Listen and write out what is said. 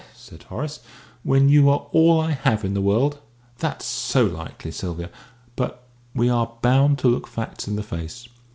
said Horace, "when you are all I have in the world! That's so likely, Sylvia! But we are bound to look facts in the face.